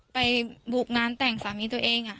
ไปบุกงานแต่งสามีตัวเอง